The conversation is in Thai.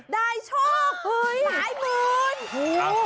ได้โชคหมายหมื่น